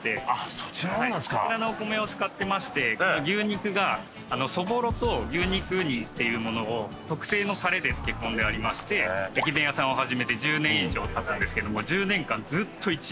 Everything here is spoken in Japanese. そちらのお米を使ってまして牛肉がそぼろと牛肉煮っていうものを特製のたれで漬け込んでありまして駅弁屋さんを始めて１０年以上たつんですけども１０年間ずっと１位。